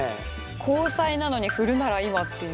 「交際」なのに「振るなら今」っていう。